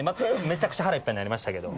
めちゃくちゃ腹いっぱいになりましたけど。